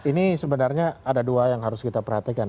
ini sebenarnya ada dua yang harus kita perhatikan